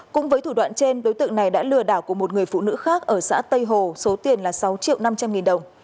cũng với thủ đoạn trên đối tượng này đã lừa đảo của một người phụ nữ khác ở xã tây hồ số tiền là sáu triệu năm trăm linh nghìn đồng